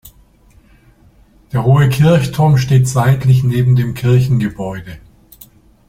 Der hohe Kirchturm steht seitlich neben dem Kirchengebäude.